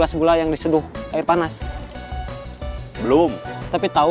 aku mau bukain pintu